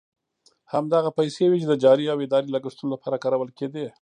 همدغه پیسې وې چې د جاري او اداري لګښتونو لپاره کارول کېدې.